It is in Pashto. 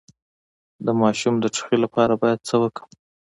د ماشوم د ټوخي لپاره باید څه وکړم؟